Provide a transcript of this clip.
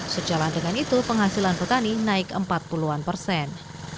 sejalan dengan itu penghasilan petani naik empat puluh an persen